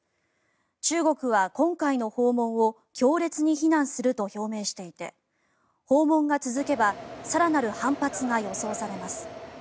中国は今回の訪問を強烈に非難すると表明していて訪問が続けば更なる反発が予想されます。